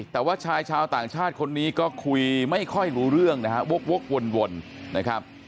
แต่ว่าชายชาวต่างชาติคนนี้ก็คุยไม่ค่อยรู้เรื่องนะฮะวกวนนะครับ